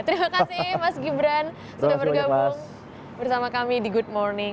terima kasih mas gibran sudah bergabung bersama kami di good morning